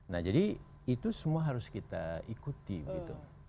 nah jadi itu semua harus kita ikuti gitu